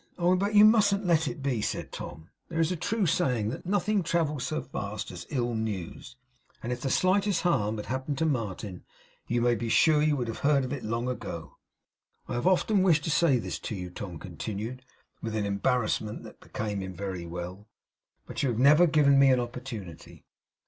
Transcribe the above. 'Oh, but you mustn't let it be,' said Tom. 'There's a true saying that nothing travels so fast as ill news; and if the slightest harm had happened to Martin, you may be sure you would have heard of it long ago. I have often wished to say this to you,' Tom continued with an embarrassment that became him very well, 'but you have never given me an opportunity.